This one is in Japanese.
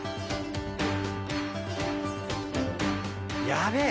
やべえ！